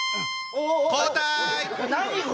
交代！